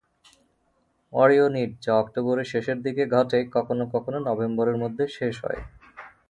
Orionid, যা অক্টোবরের শেষের দিকে ঘটে, কখনও কখনও নভেম্বরের মধ্যে শেষ হয়।